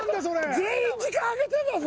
全員時間空けてんだぞ！